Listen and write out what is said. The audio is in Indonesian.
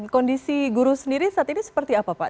kondisi guru sendiri saat ini seperti apa pak